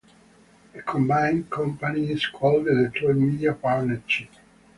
The combined company is called the Detroit Media Partnership.